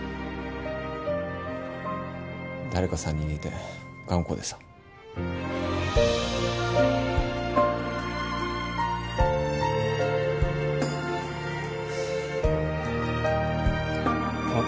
誰かさんに似て頑固でさふう